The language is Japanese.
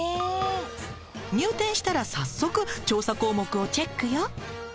入店したら早速調査項目をチェックよ。